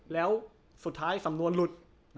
แล้วสุดท้ายสำนวนหลุด